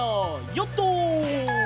ヨット！